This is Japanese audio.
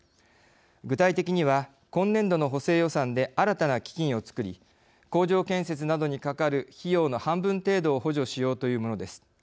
具体的には今年度の補正予算で新たな基金をつくり工場建設などにかかる費用の半分程度を補助しようというものです。